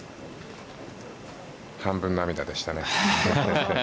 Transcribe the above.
半分涙でしたね。